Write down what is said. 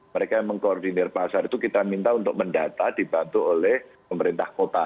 mereka yang mengkoordinir pasar itu kita minta untuk mendata dibantu oleh pemerintah kota